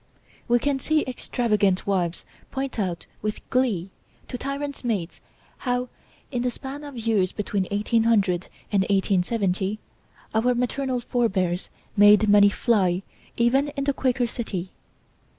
We can see extravagant wives point out with glee to tyrant mates how, in the span of years between 1800 and 1870 our maternal forebears made money fly, even in the Quaker City.